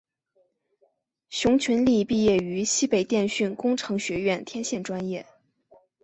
熊群力毕业于西北电讯工程学院天线专业。